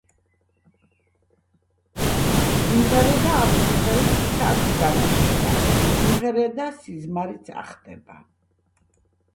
იმღერე და ამ სიმღერით ცაც განათდება იმღერე და სიზმარიც ახდება